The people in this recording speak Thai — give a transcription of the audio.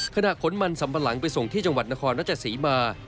ขณะขนมันสำบันหลังไปส่งที่จังหวัดนครนัฐศรีมา